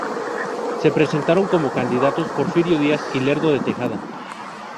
Se presentaron como candidatos Porfirio Díaz y Lerdo de Tejada.